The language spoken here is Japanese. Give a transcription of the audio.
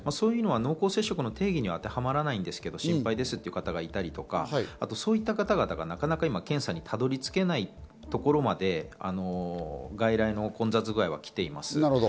濃厚接触者の定義にはハマらないんですけれども心配ですという方がいたりとか、そういった方々が検査にたどり着けないところまで、外来の混雑具合は来ています。